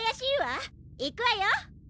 いくわよ！